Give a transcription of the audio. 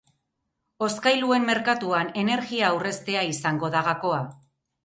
Hozkailuen merkatuan, energia aurreztea izango da gakoa.